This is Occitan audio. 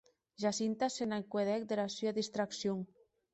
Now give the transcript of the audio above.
Jacinta se n’encuedèc dera sua distraccion.